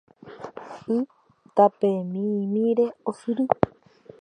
Y tapemimíre osyry